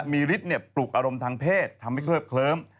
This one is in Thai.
มีฤทธิ์ปลุกอารมณ์ทางเพศทำให้เคลือบเคลิ้ม